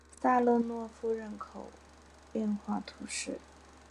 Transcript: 萨勒诺夫人口变化图示